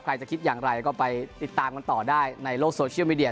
ใครจะคิดอย่างไรก็ไปติดตามกันต่อได้ในโลกโซเชียลมีเดีย